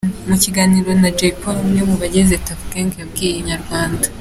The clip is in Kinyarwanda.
Mu kiganiro na Jay Polly umwe mu bagize Tuff Gangz yabwiye Inyarwanda.